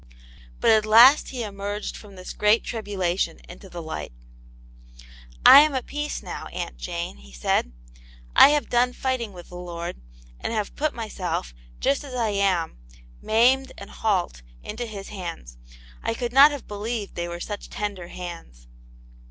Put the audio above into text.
But at last he emerged from this great tribulation into the light, " I am at peace now. Aunt Jane," he said. " I have done fighting with the Lord, and have put myself, just as I am, maimed and halt, into His hands. I could not have believed they were such tender hands."